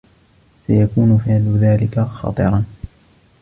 سيكون فعل ذلك خطرًا.